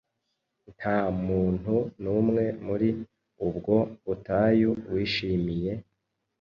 Nta muntu numwe muri ubwo butayu wishimiye